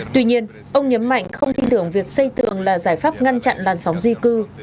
tuy nhiên ông nhấn mạnh không tin tưởng việc xây tường là giải pháp ngăn chặn làn sóng di cư